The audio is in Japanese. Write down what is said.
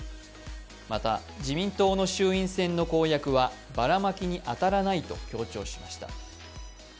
また自民党の衆院選の公約はばらまきに当たらないと強調しました。